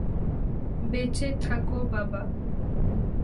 বেঁচে থাকো বাবা।